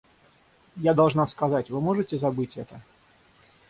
Я должна сказать... Вы можете забыть это?